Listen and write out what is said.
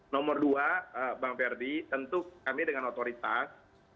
nomor dua bang ferdi tentu kami dengan otoritas